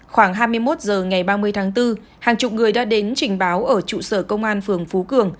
khoảng hai mươi một h ngày ba mươi tháng bốn hàng chục người đã đến trình báo ở trụ sở công an phường phú cường